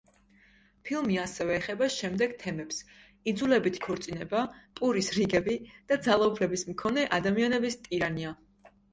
ფილმი ასევე ეხება შემდეგ თემებს: იძულებითი ქორწინება, პურის რიგები და ძალაუფლების მქონე ადამიანების ტირანია.